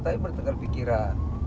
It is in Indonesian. tapi pertengkar pikiran